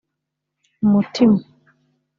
umutima